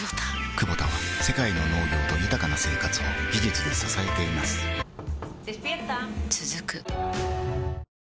クボタは世界の農業と豊かな生活を技術で支えています起きて。